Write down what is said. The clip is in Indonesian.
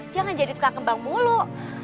jangan jadi tukang kembang muluk